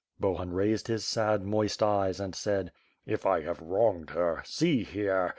.. Bohun raised his sad, moist eyes and said: "If I have wronged her! See here!